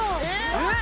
・えっ！？